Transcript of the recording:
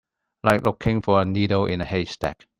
Like looking for a needle in a haystack.